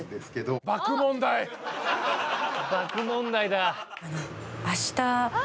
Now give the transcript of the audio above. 爆問題だ。